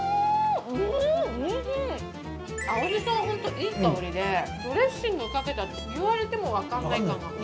青じそが本当にいい香りで、ドレッシングをかけたって言われても分からない。